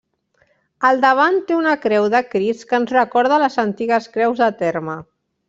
Al davant té una creu de crits que ens recorda les antigues creus de terme.